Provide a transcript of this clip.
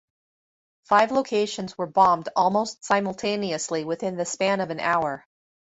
Five locations were bombed almost simultaneously within the span of an hour.